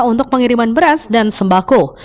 untuk pengiriman beras dan sembako